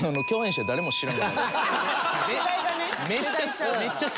世代がね。